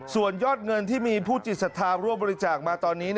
ส่วนยอดเงินที่มีผู้จิตศรัทธาร่วมบริจาคมาตอนนี้